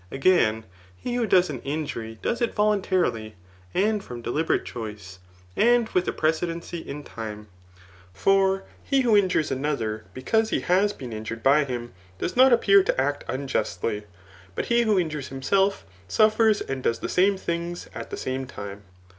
Again, he who does an injury does it voluntarily, and from deliberate choice, and with a precedency in time. For he who injures ano ther because he h^s been injured by hhn, does not appear to act unjustly { but he who injures himself, suffers and does the same things at the same time.